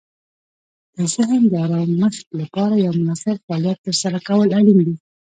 د ذهن د آرامښت لپاره یو مناسب فعالیت ترسره کول اړین دي.